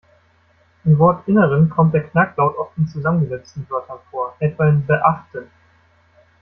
Im Wortinneren kommt der Knacklaut oft in zusammengesetzten Wörtern vor, etwa in "beachten".